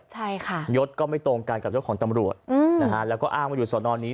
ใช่ค่ะยศก็ไม่ตรงกันกับยศของตำรวจอืมนะฮะแล้วก็อ้างว่าอยู่สอนอนนี้